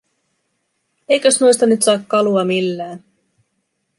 Eikös noista nyt saa kalua millään.